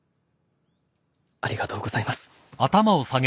ありがとうございます。